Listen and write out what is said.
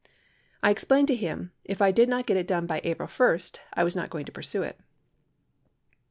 I explained to him, if I did not get it done by April 1 1 was not going to pursue it.